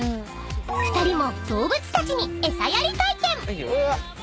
［２人も動物たちに餌やり体験］